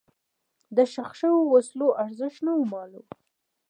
د ښخ شوو وسلو ارزښت نه و معلوم.